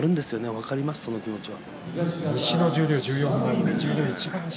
分かります、その気持ちは。